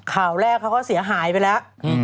ข่าวแรกเขาก็เสียหายไปแล้ว